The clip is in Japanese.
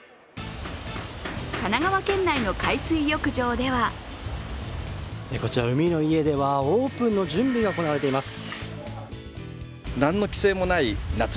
神奈川県内の海水浴場ではこちら、海の家ではオープンの準備が行われています。